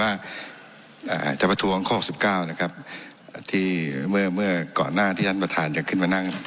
อาจจะประท้วงข้อหกสิบเก้านะครับที่เมื่อเมื่อก่อนหน้าที่ท่านประธานจะขึ้นมานั่ง